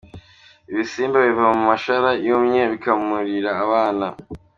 Ibisimba biva mu mashara yumye bikamurira abana .